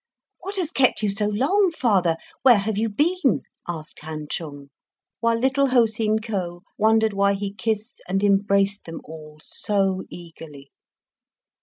"What has kept you so long, father? Where have you been?" asked Han Chung, while little Ho Seen Ko wondered why he kissed and embraced them all so eagerly.